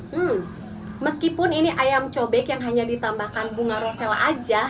dan meskipun ini ayam cobek yang hanya ditambahkan bunga rosella aja